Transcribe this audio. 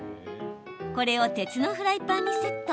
これを鉄のフライパンにセット。